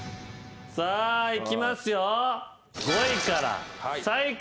さあいきますよ。